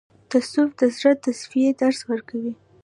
تصوف د زړه د تصفیې درس ورکوي.